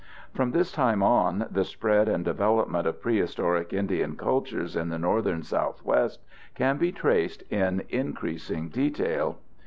From this time on, the spread and development of prehistoric Indian cultures in the northern Southwest can be traced in increasing detail.